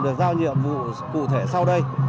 được giao nhiệm vụ cụ thể sau đây